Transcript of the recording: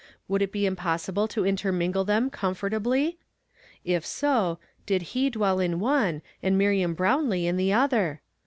Would it be impossible to intermingle them comfortably ? If so, (lid he dw^ell in one and Miriam Brownlee in the other